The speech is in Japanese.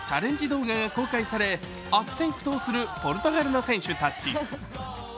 動画が公開され悪戦苦闘するポルトガルの選手たち。